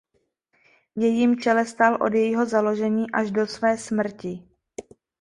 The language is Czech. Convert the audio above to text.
V jejím čele stál od jejího založení až do své smrti.